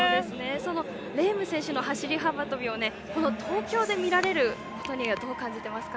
そのレーム選手の走り幅跳びを東京で見られることどう感じていますか？